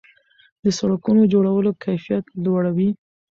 د سړکونو جوړولو کیفیت لوړ وي.